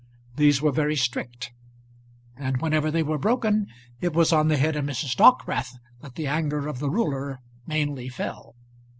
These were very strict; and whenever they were broken it was on the head of Mrs. Dockwrath that the anger of the ruler mainly fell.